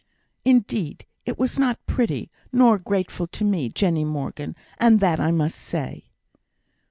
Indeed, it was not pretty, nor grateful to me, Jenny Morgan, and that I must say."